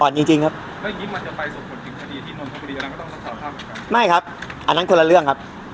อ่อนจริงจริงครับไม่ครับอันนั้นคนละเรื่องครับ